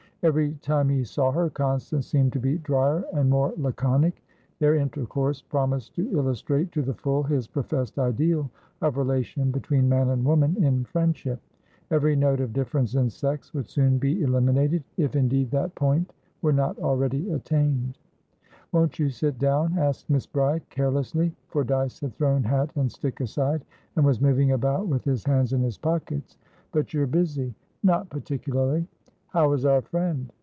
Every time he saw her, Constance seemed to be drier and more laconic. Their intercourse promised to illustrate to the full his professed ideal of relation between man and woman in friendship; every note of difference in sex would soon be eliminated, if indeed that point were not already attained. "Won't you sit down?" asked Miss Bride, carelessly; for Dyce had thrown hat and stick aside, and was moving about with his hands in his pockets. "But you're busy." "Not particularly." "How is our friend?"